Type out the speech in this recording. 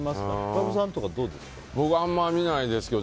小籔さんとかどうですか？